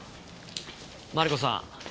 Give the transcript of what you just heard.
マリコさん